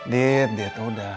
dit dit udah